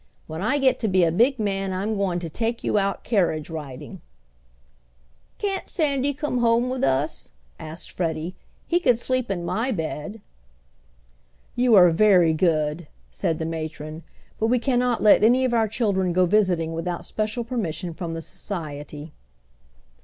"When I get to be a big man I'm goin' to take you out carriage riding." "Can't Sandy cone home with us?" asked Freddie. "He can sleep in my bed." "You are very good," said the matron. "But we cannot let any of our children go visiting without special permission from the Society."